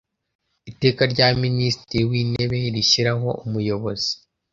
iteka rya minisitiri w intebe rishyiraho umuyobozi